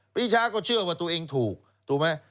ปีชาก็เชื่อว่าตัวเองถูกถูกไหม